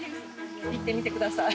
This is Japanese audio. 行ってみてください。